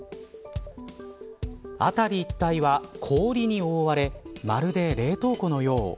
辺り一帯は氷に覆われまるで冷凍庫のよう。